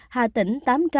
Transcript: hà tĩnh tám trăm bảy mươi năm